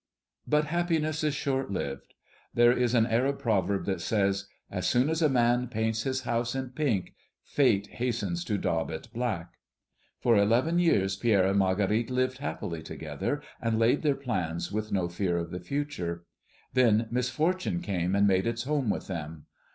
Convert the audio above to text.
But happiness is short lived. There is an Arab proverb that says, "As soon as a man paints his house in pink, fate hastens to daub it black." For eleven years Pierre and Marguerite lived happily together and laid their plans with no fear of the future. Then misfortune came and made its home with them.